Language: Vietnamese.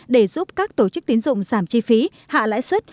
để giúp các tổ chức tín dụng giảm chi phí hạ lãi suất